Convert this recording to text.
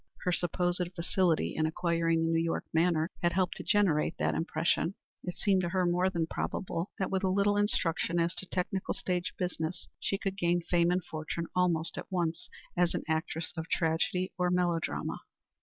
Her supposed facility in acquiring the New York manner had helped to generate that impression. It seemed to her more than probable that with a little instruction as to technical stage business she could gain fame and fortune almost at once as an actress of tragedy or melodrama.